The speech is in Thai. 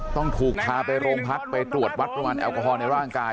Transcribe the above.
ต้องถูกพาไปโรงพักไปตรวจวัดประมาณแอลกอฮอลในร่างกาย